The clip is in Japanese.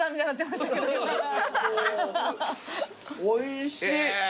おいしい！